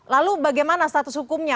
lalu bagaimana status hukumnya